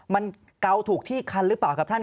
มันเกาถูกที่คันหรือเปล่าครับท่าน